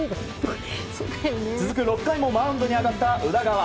続く６回もマウンドに上がった宇田川。